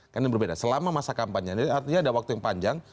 karena ini berbeda selama masa kampanye jadi artinya ada waktu yang panjang